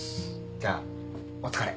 じゃあお疲れ。